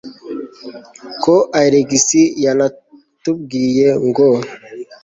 ko alex yanatubwiye ngo